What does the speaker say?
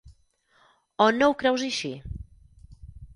O no ho creus així?